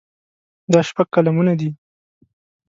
دا شپږ قلمونه دي.